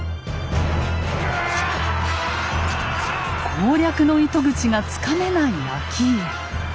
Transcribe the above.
攻略の糸口がつかめない顕家。